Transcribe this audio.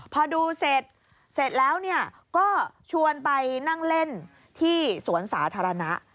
พอดูเสร็จแล้วก็ชวนไปนั่งเล่นที่สวนสาธารณะ